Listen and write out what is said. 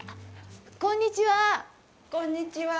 こんにちは。